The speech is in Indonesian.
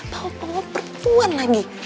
bawa bawa perempuan lagi